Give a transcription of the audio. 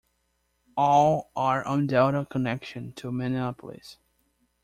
All are on Delta Connection to Minneapolis.